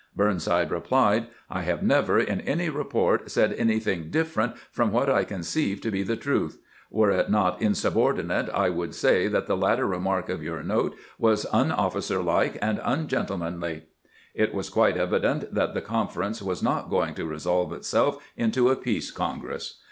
Burnside replied: "I have never, in any report, said anything different from what I conceive to be the truth. Were it not insubordinate, I would say that the latter remark of your note was unofficerlike and ungentlemanly." It was quite evident that the conference was not going to resolve itself into a "peace congress."